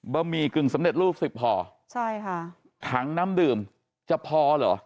บะหมี่กึ่งสำเร็จรูป๑๐ห่อถังน้ำดื่มจะพอเหรอ